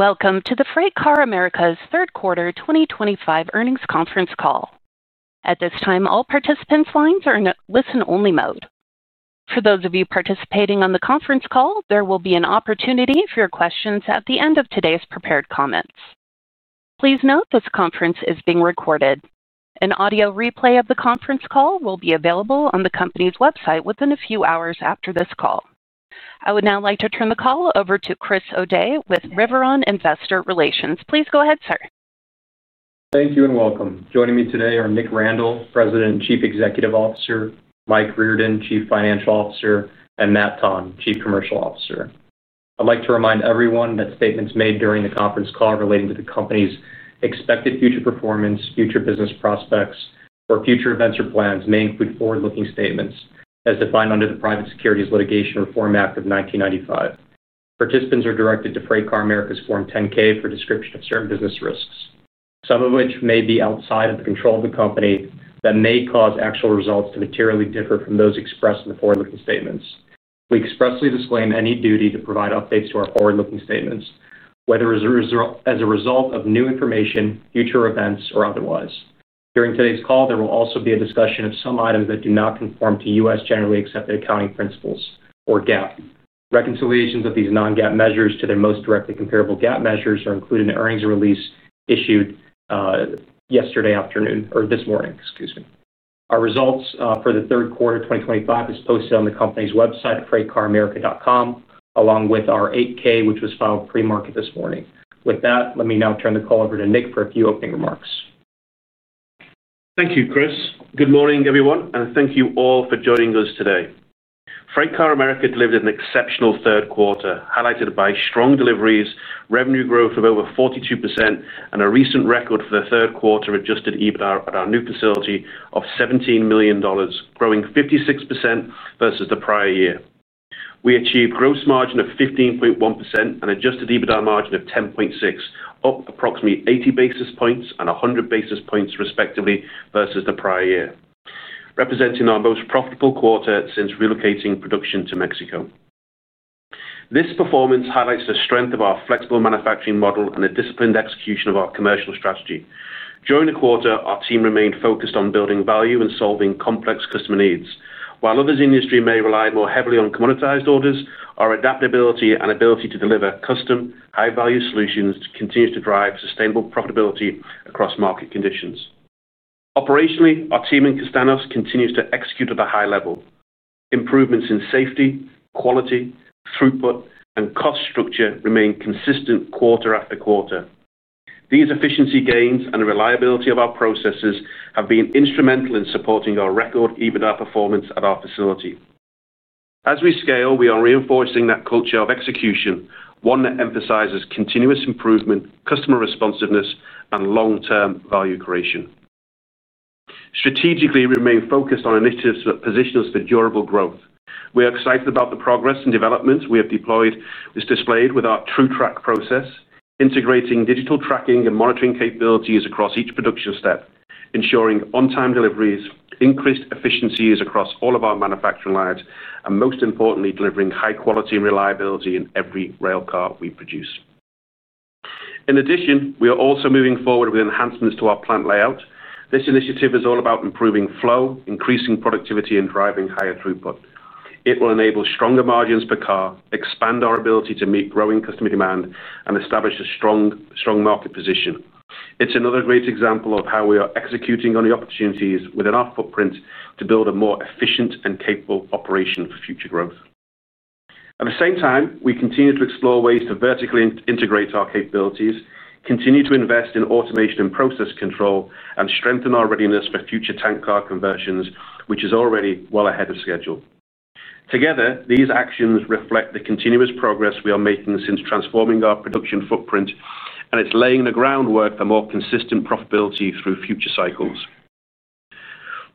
Welcome to the FreightCar America Third Quarter 2025 Earnings Conference Call. At this time, all participants' lines are in a listen-only mode. For those of you participating on the conference call, there will be an opportunity for your questions at the end of today's prepared comments. Please note this conference is being recorded. An audio replay of the conference call will be available on the company's website within a few hours after this call. I would now like to turn the call over to Chris O'Dea with Riveron Investor Relations. Please go ahead, sir. Thank you and welcome. Joining me today are Nick Randall, President and Chief Executive Officer; Mike Riordan, Chief Financial Officer; and Matt Tonn, Chief Commercial Officer. I'd like to remind everyone that statements made during the conference call relating to the company's expected future performance, future business prospects, or future events or plans may include forward-looking statements as defined under the Private Securities Litigation Reform Act of 1995. Participants are directed to FreightCar America's Form 10-K for description of certain business risks, some of which may be outside of the control of the company that may cause actual results to materially differ from those expressed in the forward-looking statements. We expressly disclaim any duty to provide updates to our forward-looking statements, whether as a result of new information, future events, or otherwise. During today's call, there will also be a discussion of some items that do not conform to U.S. generally accepted accounting principles or GAAP. Reconciliations of these non-GAAP measures to their most directly comparable GAAP measures are included in the earnings release issued yesterday afternoon or this morning, excuse me. Our results for the third quarter 2025 are posted on the company's website at freightcaramerica.com, along with our 8-K, which was filed pre-market this morning. With that, let me now turn the call over to Nick for a few opening remarks. Thank you, Chris. Good morning, everyone, and thank you all for joining us today. FreightCar America delivered an exceptional third quarter, highlighted by strong deliveries, revenue growth of over 42%, and a recent record for the third quarter adjusted EBITDA at our new facility of $17 million, growing 56% versus the prior year. We achieved gross margin of 15.1% and adjusted EBITDA margin of 10.6%, up approximately 80 basis points and 100 basis points respectively versus the prior year, representing our most profitable quarter since relocating production to Mexico. This performance highlights the strength of our flexible manufacturing model and the disciplined execution of our commercial strategy. During the quarter, our team remained focused on building value and solving complex customer needs. While others in the industry may rely more heavily on commoditized orders, our adaptability and ability to deliver custom, high-value solutions continue to drive sustainable profitability across market conditions. Operationally, our team in Castaños continues to execute at a high level. Improvements in safety, quality, throughput, and cost structure remain consistent quarter after quarter. These efficiency gains and reliability of our processes have been instrumental in supporting our record EBITDA performance at our facility. As we scale, we are reinforcing that culture of execution, one that emphasizes continuous improvement, customer responsiveness, and long-term value creation. Strategically, we remain focused on initiatives that position us for durable growth. We are excited about the progress and development we have deployed is displayed with our TruTrack process, integrating digital tracking and monitoring capabilities across each production step, ensuring on-time deliveries, increased efficiencies across all of our manufacturing lines, and most importantly, delivering high quality and reliability in every railcar we produce. In addition, we are also moving forward with enhancements to our plant layout. This initiative is all about improving flow, increasing productivity, and driving higher throughput. It will enable stronger margins per car, expand our ability to meet growing customer demand, and establish a strong market position. It's another great example of how we are executing on the opportunities within our footprint to build a more efficient and capable operation for future growth. At the same time, we continue to explore ways to vertically integrate our capabilities, continue to invest in automation and process control, and strengthen our readiness for future tank car conversions, which is already well ahead of schedule. Together, these actions reflect the continuous progress we are making since transforming our production footprint, and it's laying the groundwork for more consistent profitability through future cycles.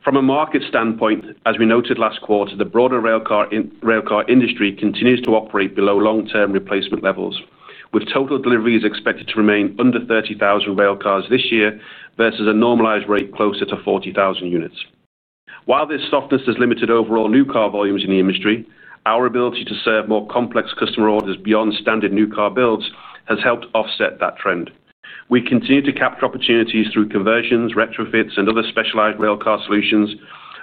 From a market standpoint, as we noted last quarter, the broader railcar industry continues to operate below long-term replacement levels, with total deliveries expected to remain under 30,000 railcars this year versus a normalized rate closer to 40,000 units. While this softness has limited overall new car volumes in the industry, our ability to serve more complex customer orders beyond standard new car builds has helped offset that trend. We continue to capture opportunities through conversions, retrofits, and other specialized railcar solutions,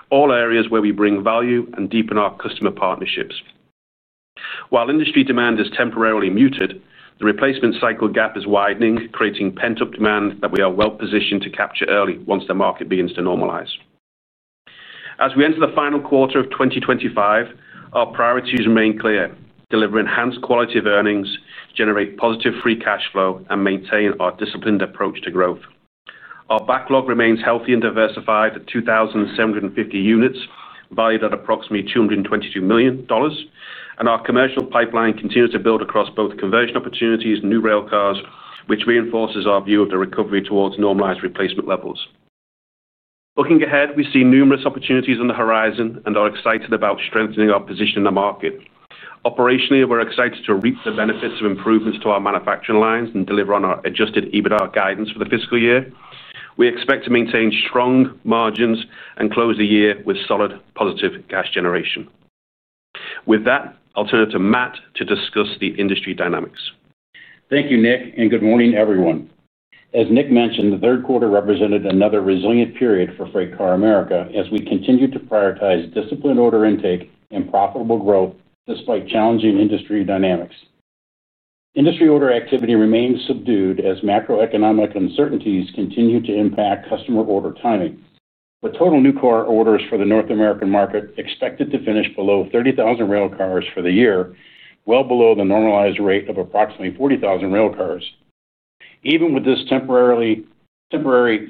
all areas where we bring value and deepen our customer partnerships. While industry demand is temporarily muted, the replacement cycle gap is widening, creating pent-up demand that we are well positioned to capture early once the market begins to normalize. As we enter the final quarter of 2025, our priorities remain clear: deliver enhanced quality of earnings, generate positive free cash flow, and maintain our disciplined approach to growth. Our backlog remains healthy and diversified at 2,750 units, valued at approximately $222 million, and our commercial pipeline continues to build across both conversion opportunities and new railcars, which reinforces our view of the recovery towards normalized replacement levels. Looking ahead, we see numerous opportunities on the horizon and are excited about strengthening our position in the market. Operationally, we're excited to reap the benefits of improvements to our manufacturing lines and deliver on our adjusted EBITDA guidance for the fiscal year. We expect to maintain strong margins and close the year with solid positive cash generation. With that, I'll turn it to Matt to discuss the industry dynamics. Thank you, Nick, and good morning, everyone. As Nick mentioned, the third quarter represented another resilient period for FreightCar America as we continue to prioritize disciplined order intake and profitable growth despite challenging industry dynamics. Industry order activity remains subdued as macroeconomic uncertainties continue to impact customer order timing. With total new car orders for the North American market expected to finish below 30,000 rail cars for the year, well below the normalized rate of approximately 40,000 rail cars. Even with this temporary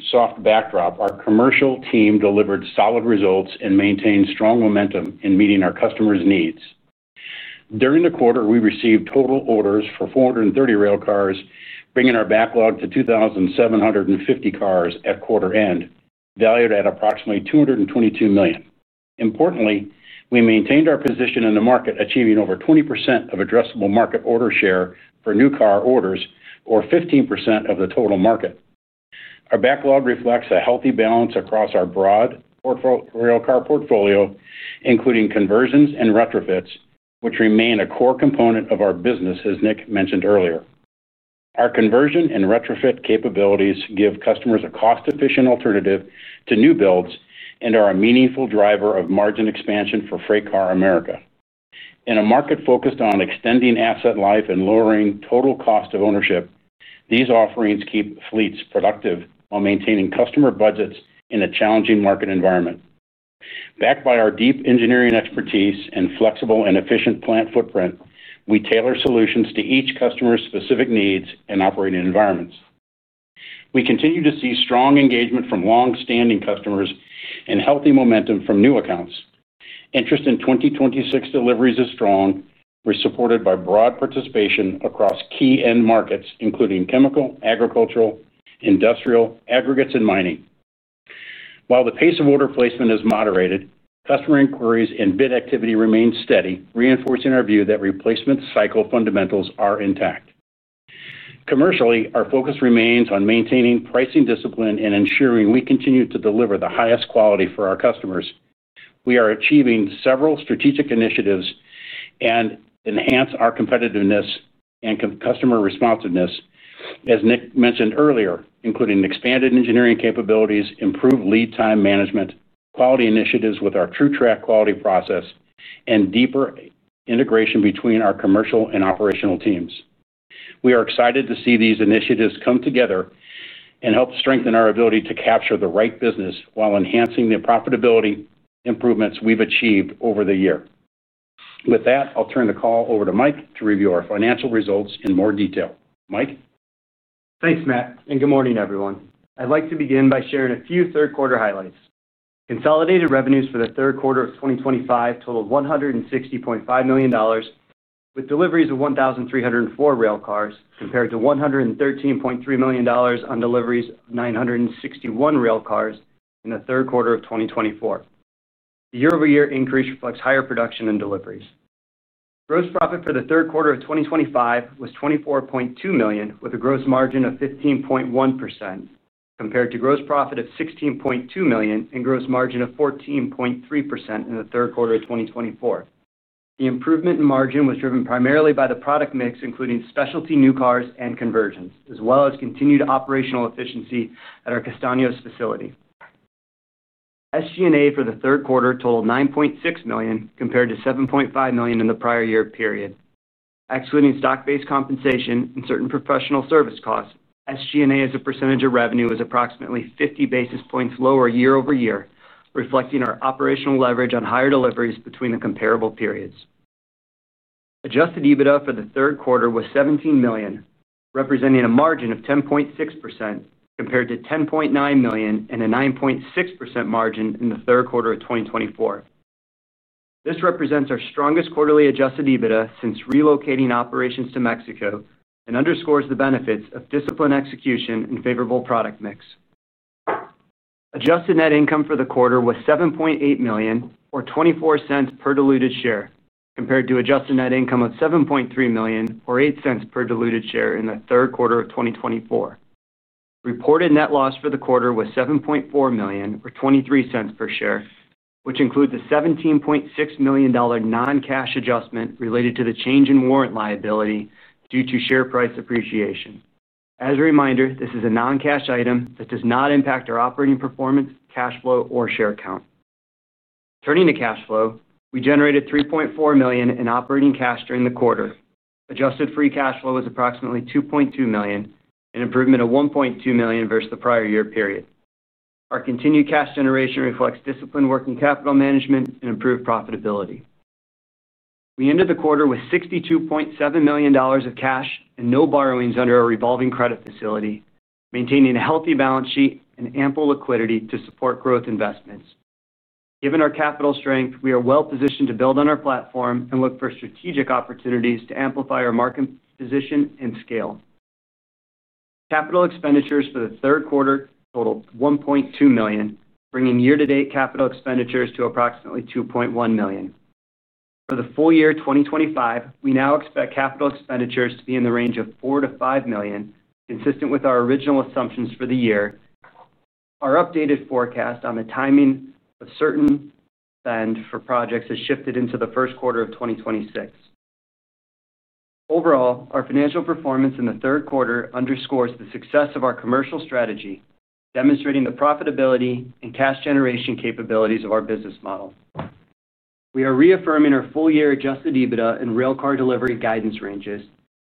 soft backdrop, our commercial team delivered solid results and maintained strong momentum in meeting our customers' needs. During the quarter, we received total orders for 430 railcars, bringing our backlog to 2,750 cars at quarter end, valued at approximately $222 million. Importantly, we maintained our position in the market, achieving over 20% of addressable market order share for new car orders, or 15% of the total market. Our backlog reflects a healthy balance across our broad railcar portfolio, including conversions and retrofits, which remain a core component of our business, as Nick mentioned earlier. Our conversion and retrofit capabilities give customers a cost-efficient alternative to new builds and are a meaningful driver of margin expansion for FreightCar America. In a market focused on extending asset life and lowering total cost of ownership, these offerings keep fleets productive while maintaining customer budgets in a challenging market environment. Backed by our deep engineering expertise and flexible and efficient plant footprint, we tailor solutions to each customer's specific needs and operating environments. We continue to see strong engagement from long-standing customers and healthy momentum from new accounts. Interest in 2026 deliveries is strong, supported by broad participation across key end markets, including chemical, agricultural, industrial, aggregates, and mining. While the pace of order placement is moderated, customer inquiries and bid activity remain steady, reinforcing our view that replacement cycle fundamentals are intact. Commercially, our focus remains on maintaining pricing discipline and ensuring we continue to deliver the highest quality for our customers. We are achieving several strategic initiatives that enhance our competitiveness and customer responsiveness, as Nick mentioned earlier, including expanded engineering capabilities, improved lead time management, quality initiatives with our TruTrack quality process, and deeper integration between our commercial and operational teams. We are excited to see these initiatives come together and help strengthen our ability to capture the right business while enhancing the profitability improvements we've achieved over the year. With that, I'll turn the call over to Mike to review our financial results in more detail. Mike. Thanks, Matt, and good morning, everyone. I'd like to begin by sharing a few third-quarter highlights. Consolidated revenues for the third quarter of 2025 totaled $160.5 million, with deliveries of 1,304 railcars compared to $113.3 million on deliveries of 961 railcars in the third quarter of 2024. The year-over-year increase reflects higher production and deliveries. Gross profit for the third quarter of 2025 was $24.2 million, with a gross margin of 15.1% compared to gross profit of $16.2 million and gross margin of 14.3% in the third quarter of 2024. The improvement in margin was driven primarily by the product mix, including specialty new cars and conversions, as well as continued operational efficiency at our Castaños facility. SG&A for the third quarter totaled $9.6 million compared to $7.5 million in the prior year period. Excluding stock-based compensation and certain professional service costs, SG&A as a percentage of revenue was approximately 50 basis points lower year-over-year, reflecting our operational leverage on higher deliveries between the comparable periods. Adjusted EBITDA for the third quarter was $17 million, representing a margin of 10.6% compared to $10.9 million and a 9.6% margin in the third quarter of 2024. This represents our strongest quarterly adjusted EBITDA since relocating operations to Mexico and underscores the benefits of disciplined execution and favorable product mix. Adjusted net income for the quarter was $7.8 million, or $0.24 per diluted share, compared to adjusted net income of $7.3 million, or $0.08 per diluted share in the third quarter of 2024. Reported net loss for the quarter was $7.4 million, or $0.23 per share, which includes a $17.6 million non-cash adjustment related to the change in warrant liability due to share price appreciation. As a reminder, this is a non-cash item that does not impact our operating performance, cash flow, or share count. Turning to cash flow, we generated $3.4 million in operating cash during the quarter. Adjusted free cash flow was approximately $2.2 million, an improvement of $1.2 million versus the prior year period. Our continued cash generation reflects disciplined working capital management and improved profitability. We ended the quarter with $62.7 million of cash and no borrowings under our revolving credit facility, maintaining a healthy balance sheet and ample liquidity to support growth investments. Given our capital strength, we are well positioned to build on our platform and look for strategic opportunities to amplify our market position and scale. Capital expenditures for the third quarter totaled $1.2 million, bringing year-to-date capital expenditures to approximately $2.1 million. For the full year 2025, we now expect capital expenditures to be in the range of $4 to $5 million, consistent with our original assumptions for the year. Our updated forecast on the timing of certain spend for projects has shifted into the first quarter of 2026. Overall, our financial performance in the third quarter underscores the success of our commercial strategy, demonstrating the profitability and cash generation capabilities of our business model. We are reaffirming our full-year adjusted EBITDA and railcar delivery guidance ranges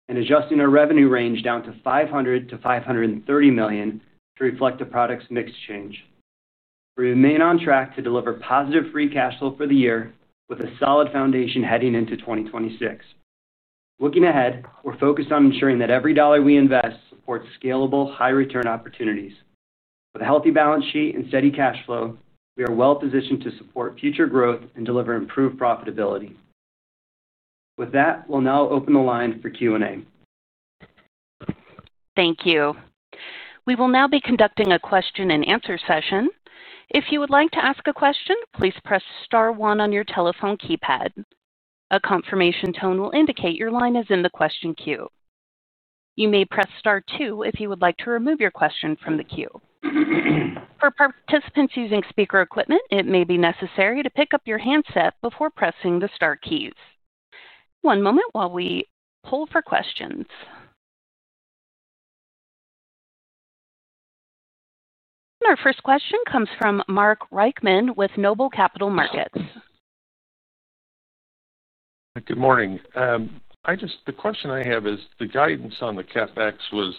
and adjusting our revenue range down to $500 to $530 million to reflect the product mix change. We remain on track to deliver positive free cash flow for the year, with a solid foundation heading into 2026. Looking ahead, we're focused on ensuring that every dollar we invest supports scalable, high-return opportunities. With a healthy balance sheet and steady cash flow, we are well positioned to support future growth and deliver improved profitability. With that, we'll now open the line for Q and A. Thank you. We will now be conducting a question-and-answer session. If you would like to ask a question, please press star one on your telephone keypad. A confirmation tone will indicate your line is in the question queue. You may press star two if you would like to remove your question from the queue. For participants using speaker equipment, it may be necessary to pick up your handset before pressing the star keys. One moment while we pull for questions. Our first question comes from Mark Reichman with Noble Capital Markets. Good morning. The question I have is the guidance on the CapEx was,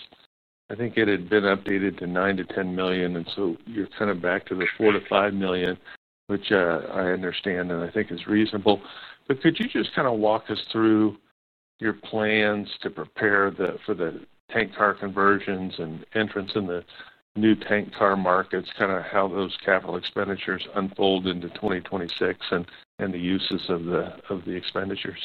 I think it had been updated to $9 to $10 million, and so you're kind of back to the $4 to $5 million, which I understand and I think is reasonable. Could you just kind of walk us through your plans to prepare for the tank car conversions and entrance in the new tank car markets, kind of how those capital expenditures unfold into 2026 and the uses of the expenditures?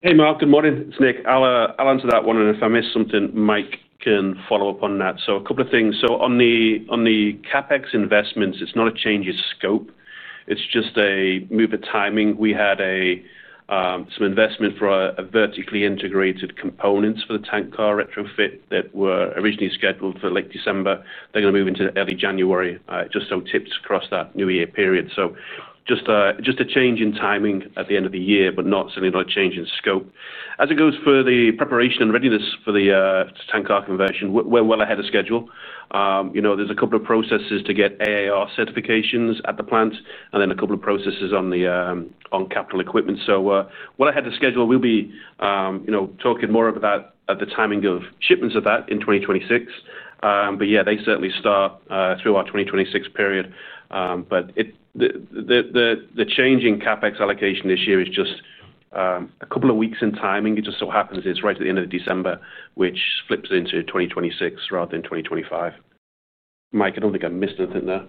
Hey, Mark. Good morning. It's Nick. I'll answer that one, and if I missed something, Mike can follow up on that. A couple of things. On the CapEx investments, it's not a change of scope. It's just a move of timing. We had some investment for vertically integrated components for the tank car retrofit that were originally scheduled for late December. They're going to move into early January, just some tips across that new year period. Just a change in timing at the end of the year, but certainly not a change in scope. As it goes for the preparation and readiness for the tank car conversion, we're well ahead of schedule. There's a couple of processes to get AAR certifications at the plant, and then a couple of processes on capital equipment. We're well ahead of schedule. We'll be talking more about the timing of shipments of that in 2026. Yeah, they certainly start through our 2026 period. The change in CapEx allocation this year is just a couple of weeks in timing. It just so happens it's right at the end of December, which flips into 2026 rather than 2025. Mike, I don't think I missed anything there.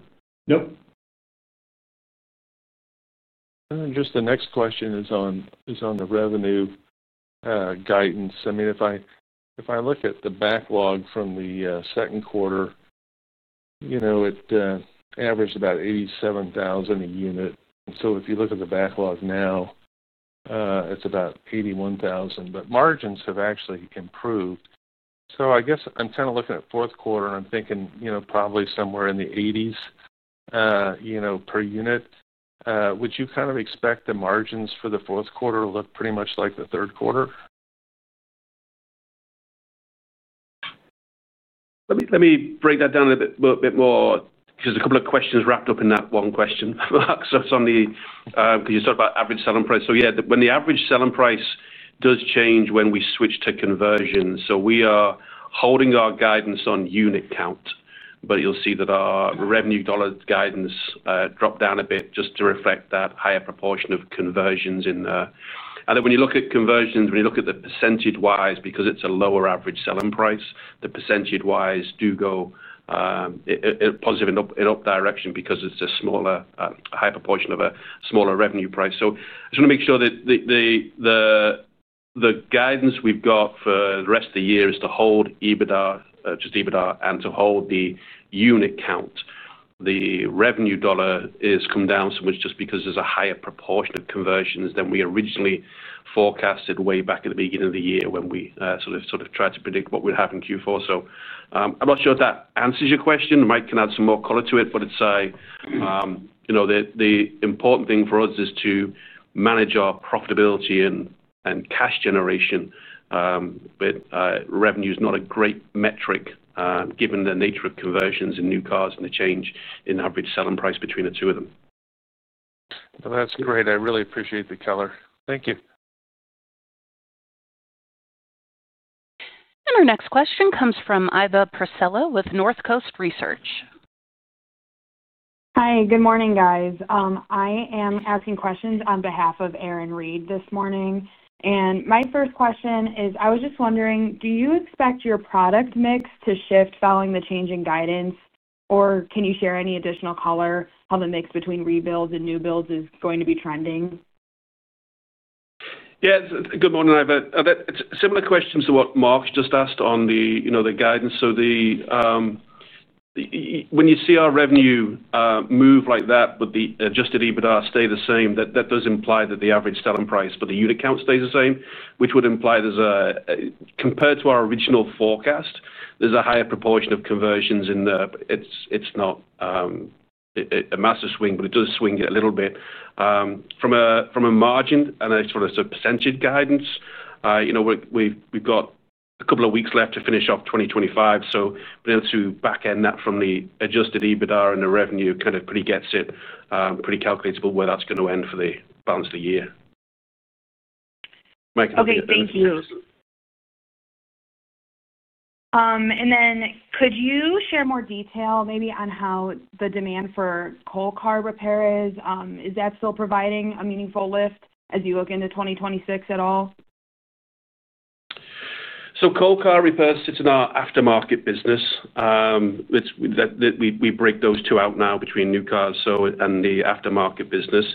Nope. Just the next question is on the revenue guidance. I mean, if I look at the backlog from the second quarter, it averaged about $87,000 a unit. And if you look at the backlog now, it's about $81,000. But margins have actually improved. I guess I'm kind of looking at fourth quarter, and I'm thinking probably somewhere in the $80,000 per unit. Would you kind of expect the margins for the fourth quarter to look pretty much like the third quarter? Let me break that down a bit more because there's a couple of questions wrapped up in that one question. It's on the because you talked about average selling price. Yeah, when the average selling price does change when we switch to conversions, we are holding our guidance on unit count. You'll see that our revenue dollar guidance dropped down a bit just to reflect that higher proportion of conversions in there. When you look at conversions, when you look at the percentage-wise, because it's a lower average selling price, the percentage-wise do go positive in up direction because it's a smaller higher proportion of a smaller revenue price. I just want to make sure that the guidance we've got for the rest of the year is to hold EBITDA, just EBITDA, and to hold the unit count. The revenue dollar has come down so much just because there's a higher proportion of conversions than we originally forecasted way back at the beginning of the year when we sort of tried to predict what we'd have in Q4. I'm not sure if that answers your question. Mike can add some more color to it, but the important thing for us is to manage our profitability and cash generation. Revenue is not a great metric given the nature of conversions and new cars and the change in average selling price between the two of them. That's great. I really appreciate the color. Thank you. Our next question comes from Iva Prosello with NorthCoast Research. Hi, good morning, guys. I am asking questions on behalf of Aaron Riordan this morning. My first question is, I was just wondering, do you expect your product mix to shift following the change in guidance, or can you share any additional color on the mix between rebuilds and new builds is going to be trending? Yeah, good morning, Iva. It's similar questions to what Mark just asked on the guidance. When you see our revenue move like that, but the adjusted EBITDA stay the same, that does imply that the average selling price for the unit count stays the same, which would imply there's a compared to our original forecast, there's a higher proportion of conversions in there. It's not a massive swing, but it does swing a little bit. From a margin and sort of a percentage guidance, we've got a couple of weeks left to finish off 2025. To back end that from the adjusted EBITDA and the revenue kind of pretty gets it, pretty calculatable where that's going to end for the balance of the year. Okay, thank you. Could you share more detail maybe on how the demand for coal car repair is? Is that still providing a meaningful lift as you look into 2026 at all? Coal car repair sits in our aftermarket business. We break those two out now between new cars and the aftermarket business.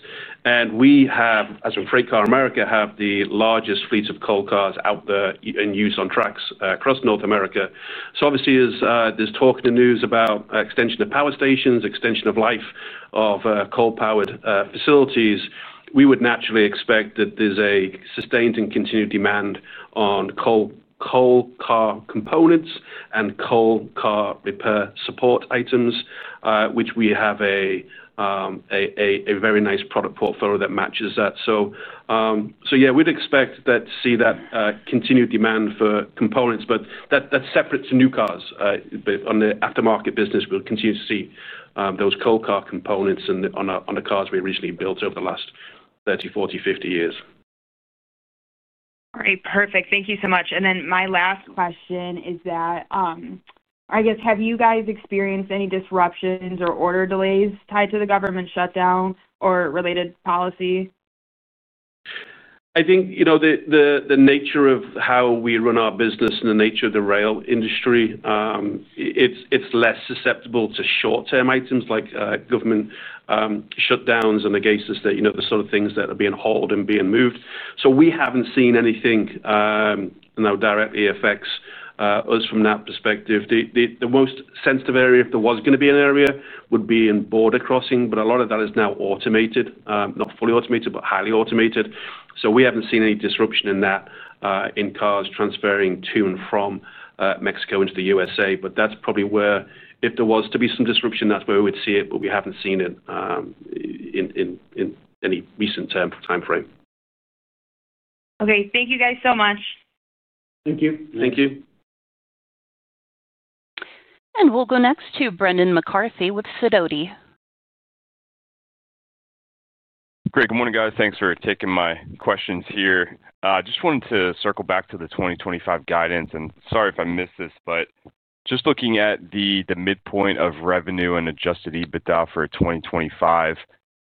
We, as FreightCar America, have the largest fleets of coal cars out there in use on tracks across North America. Obviously, there's talk in the news about extension of power stations, extension of life of coal-powered facilities. We would naturally expect that there's a sustained and continued demand on coal car components and coal car repair support items, which we have a very nice product portfolio that matches that. Yeah, we'd expect to see that continued demand for components. That's separate to new cars. On the aftermarket business, we'll continue to see those coal car components on the cars we originally built over the last 30, 40, 50 years. All right, perfect. Thank you so much. My last question is that, I guess, have you guys experienced any disruptions or order delays tied to the government shutdown or related policy? I think the nature of how we run our business and the nature of the rail industry, it's less susceptible to short-term items like government shutdowns and the cases that the sort of things that are being hauled and being moved. We haven't seen anything that directly affects us from that perspective. The most sensitive area, if there was going to be an area, would be in border crossing, but a lot of that is now automated, not fully automated, but highly automated. We haven't seen any disruption in that in cars transferring to and from Mexico into the U.S. That's probably where, if there was to be some disruption, that's where we would see it, but we haven't seen it in any recent time frame. Okay, thank you guys so much. Thank you. Thank you. We will go next to Brendan McCarthy with Sidoti. Great. Good morning, guys. Thanks for taking my questions here. I just wanted to circle back to the 2025 guidance. Sorry if I missed this, but just looking at the midpoint of revenue and adjusted EBITDA for 2025,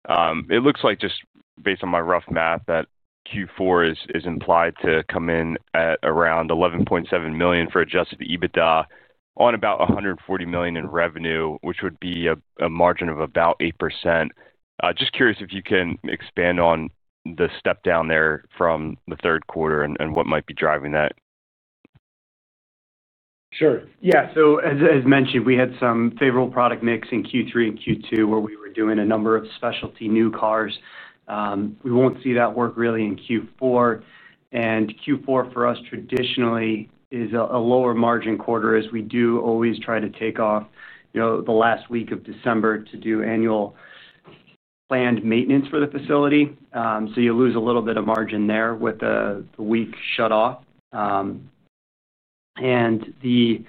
it looks like, just based on my rough math, that Q4 is implied to come in at around $11.7 million for adjusted EBITDA on about $140 million in revenue, which would be a margin of about 8%. Just curious if you can expand on the step down there from the third quarter and what might be driving that. Sure. Yeah. As mentioned, we had some favorable product mix in Q3 and Q2 where we were doing a number of specialty new cars. We won't see that work really in Q4. Q4 for us traditionally is a lower margin quarter as we do always try to take off the last week of December to do annual planned maintenance for the facility. You lose a little bit of margin there with the week shut off. The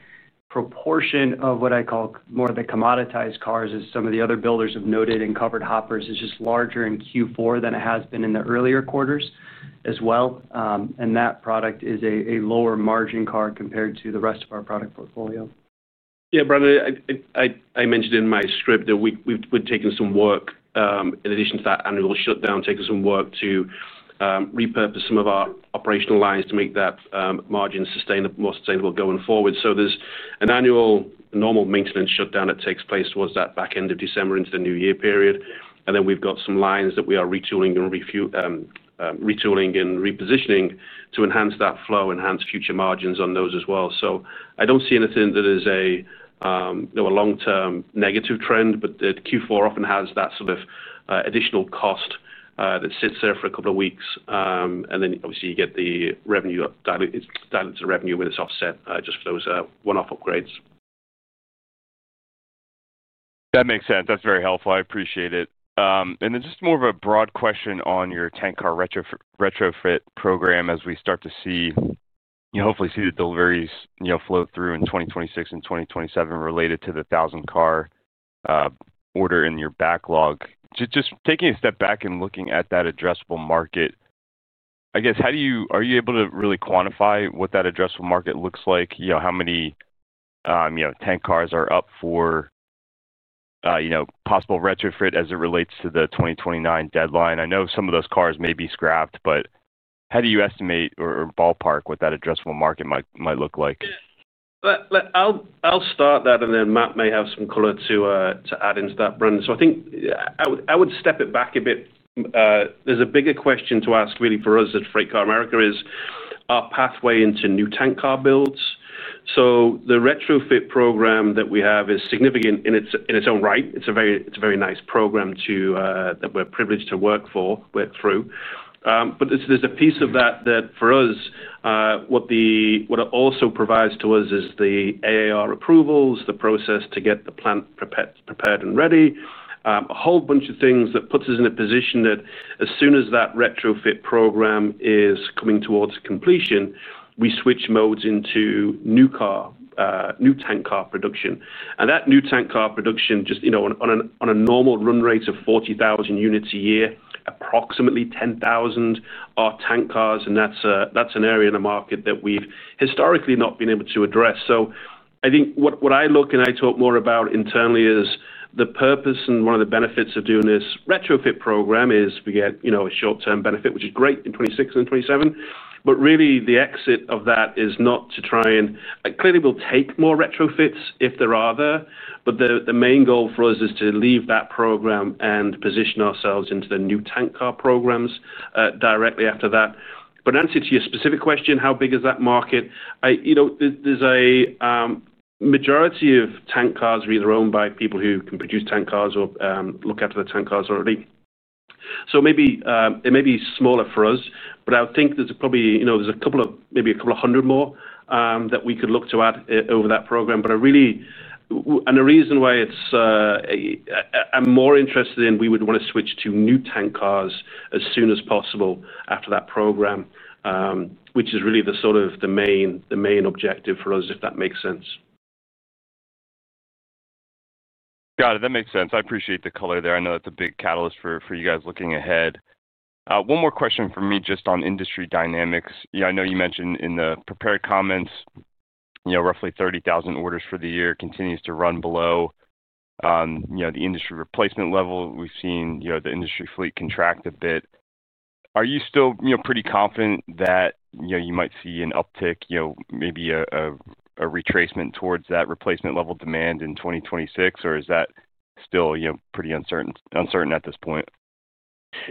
proportion of what I call more of the commoditized cars, as some of the other builders have noted and covered hoppers, is just larger in Q4 than it has been in the earlier quarters as well. That product is a lower margin car compared to the rest of our product portfolio. Yeah, Brendan, I mentioned in my script that we've taken some work in addition to that annual shutdown, taken some work to repurpose some of our operational lines to make that margin more sustainable going forward. There is an annual normal maintenance shutdown that takes place towards that back end of December into the new year period. We have some lines that we are retooling and repositioning to enhance that flow, enhance future margins on those as well. I do not see anything that is a long-term negative trend, but Q4 often has that sort of additional cost that sits there for a couple of weeks. Obviously, you get the diluted revenue when it is offset just for those one-off upgrades. That makes sense. That's very helpful. I appreciate it. Just more of a broad question on your tank car retrofit program as we start to see, hopefully see the deliveries flow through in 2026 and 2027 related to the 1,000-car order in your backlog. Just taking a step back and looking at that addressable market, I guess, are you able to really quantify what that addressable market looks like? How many tank cars are up for possible retrofit as it relates to the 2029 deadline? I know some of those cars may be scrapped, but how do you estimate or ballpark what that addressable market might look like? I'll start that, and then Matt may have some color to add into that, Brendan. I think I would step it back a bit. There's a bigger question to ask really for us at FreightCar America is our pathway into new tank car builds. The retrofit program that we have is significant in its own right. It's a very nice program that we're privileged to work through. There's a piece of that that for us, what it also provides to us is the AAR approvals, the process to get the plant prepared and ready, a whole bunch of things that puts us in a position that as soon as that retrofit program is coming towards completion, we switch modes into new tank car production. That new tank car production, just on a normal run rate of 40,000 units a year, approximately 10,000 are tank cars. That is an area in the market that we have historically not been able to address. I think what I look at and talk more about internally is the purpose, and one of the benefits of doing this retrofit program is we get a short-term benefit, which is great in 2026 and 2027. The exit of that is not to try and, clearly, we will take more retrofits if they are there. The main goal for us is to leave that program and position ourselves into the new tank car programs directly after that. To answer your specific question, how big is that market? The majority of tank cars are either owned by people who can produce tank cars or look after the tank cars already. It may be smaller for us, but I would think there's probably a couple of hundred more that we could look to add over that program. The reason why I'm more interested in we would want to switch to new tank cars as soon as possible after that program, which is really the main objective for us, if that makes sense. Got it. That makes sense. I appreciate the color there. I know that's a big catalyst for you guys looking ahead. One more question for me just on industry dynamics. I know you mentioned in the prepared comments, roughly 30,000 orders for the year continues to run below the industry replacement level. We've seen the industry fleet contract a bit. Are you still pretty confident that you might see an uptick, maybe a retracement towards that replacement level demand in 2026, or is that still pretty uncertain at this point?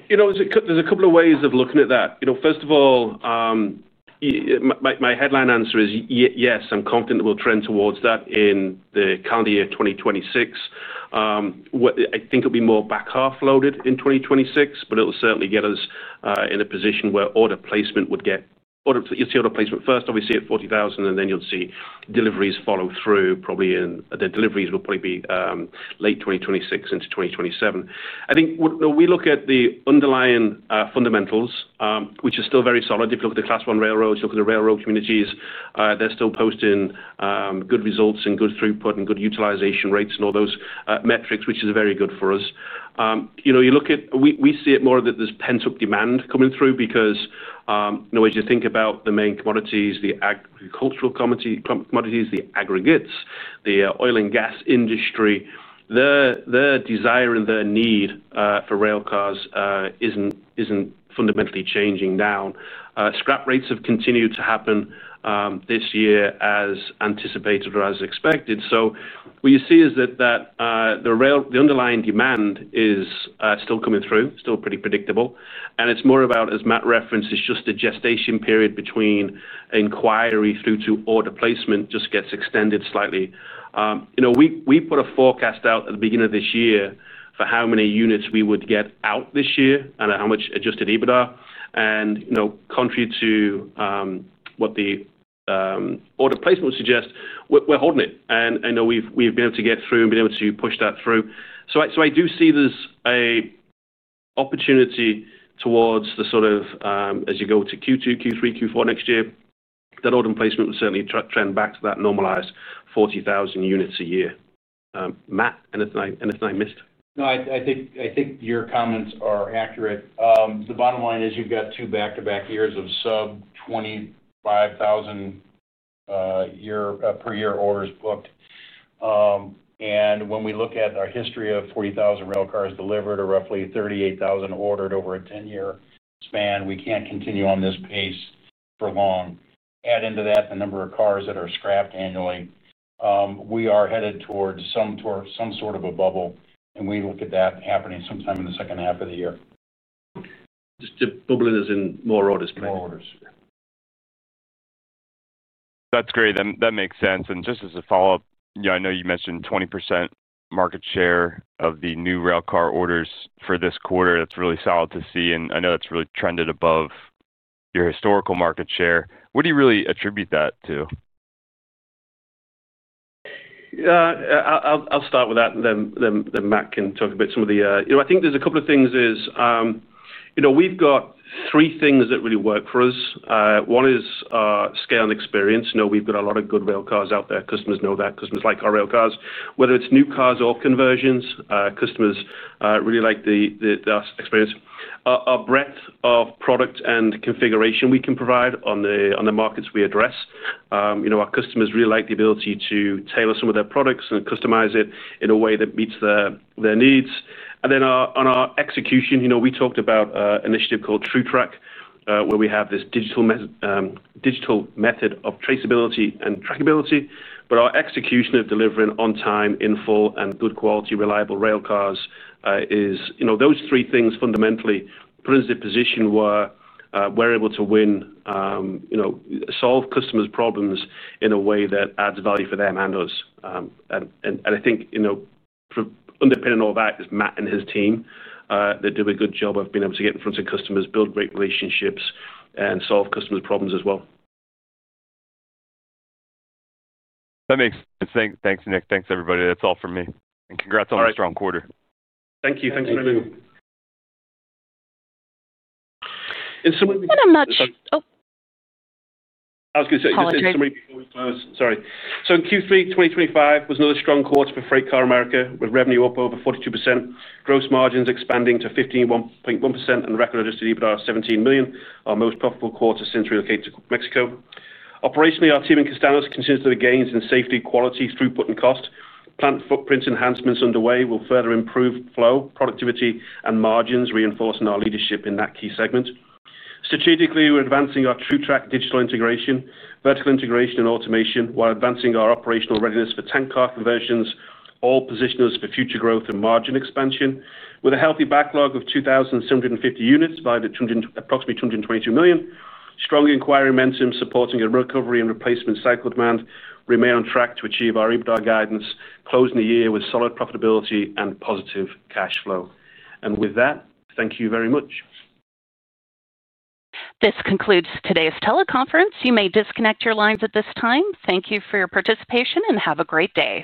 There's a couple of ways of looking at that. First of all, my headline answer is yes, I'm confident we'll trend towards that in the calendar year 2026. I think it'll be more back half loaded in 2026, but it'll certainly get us in a position where order placement would get you'll see order placement first, obviously, at 40,000, and then you'll see deliveries follow through. Probably the deliveries will probably be late 2026 into 2027. I think when we look at the underlying fundamentals, which are still very solid, if you look at the Class 1 railroads, look at the railroad communities, they're still posting good results and good throughput and good utilization rates and all those metrics, which is very good for us. You look at we see it more that there's pent-up demand coming through because as you think about the main commodities, the agricultural commodities, the aggregates, the oil and gas industry, their desire and their need for rail cars isn't fundamentally changing now. Scrap rates have continued to happen this year as anticipated or as expected. What you see is that the underlying demand is still coming through, still pretty predictable. It's more about, as Matt referenced, it's just a gestation period between inquiry through to order placement just gets extended slightly. We put a forecast out at the beginning of this year for how many units we would get out this year and how much adjusted EBITDA. Contrary to what the order placement would suggest, we're holding it. We've been able to get through and been able to push that through. I do see there's an opportunity towards the sort of, as you go to Q2, Q3, Q4 next year, that order placement will certainly trend back to that normalized 40,000 units a year. Matt, anything I missed? No, I think your comments are accurate. The bottom line is you've got two back-to-back years of sub-25,000 per year orders booked. When we look at our history of 40,000 railcars delivered or roughly 38,000 ordered over a 10-year span, we can't continue on this pace for long. Add into that the number of cars that are scrapped annually. We are headed towards some sort of a bubble, and we look at that happening sometime in the second half of the year. Just to bubble it as in more orders. More orders. That's great. That makes sense. Just as a follow-up, I know you mentioned 20% market share of the new railcar orders for this quarter. That's really solid to see. I know that's really trended above your historical market share. What do you really attribute that to? I'll start with that, and then Matt can talk about some of the, I think there's a couple of things. We've got three things that really work for us. One is scale and experience. We've got a lot of good rail cars out there. Customers know that. Like our rail cars, whether it's new cars or conversions, customers really like the experience. Our breadth of product and configuration we can provide on the markets we address. Our customers really like the ability to tailor some of their products and customize it in a way that meets their needs. On our execution, we talked about an initiative called TruTrack, where we have this digital method of traceability and trackability. Our execution of delivering on time, in full, and good quality, reliable rail cars is those three things fundamentally put us in a position where we're able to win, solve customers' problems in a way that adds value for them and us. I think underpinning all that is Matt and his team that do a good job of being able to get in front of customers, build great relationships, and solve customers' problems as well. That makes sense. Thanks, Nick. Thanks, everybody. That's all for me. Congrats on a strong quarter. Thank you. Thanks very much. We have got a much. I was going to say, just have somebody before we close. Sorry. In Q3 2025 was another strong quarter for FreightCar America, with revenue up over 42%, gross margins expanding to 15.1%, and record adjusted EBITDA of $17 million, our most profitable quarter since relocating to Mexico. Operationally, our team in Castaños considers the gains in safety, quality, throughput, and cost. Plant footprint enhancements underway will further improve flow, productivity, and margins, reinforcing our leadership in that key segment. Strategically, we're advancing our TruTrack digital integration, vertical integration, and automation while advancing our operational readiness for tank car conversions, all positioned us for future growth and margin expansion. With a healthy backlog of 2,750 units valued at approximately $222 million, strong inquiry momentum supporting a recovery and replacement cycle demand remain on track to achieve our EBITDA guidance, closing the year with solid profitability and positive cash flow. And with that, thank you very much. This concludes today's teleconference. You may disconnect your lines at this time. Thank you for your participation and have a great day.